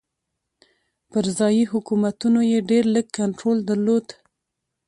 پر ځايي حکومتونو یې ډېر لږ کنټرول درلود.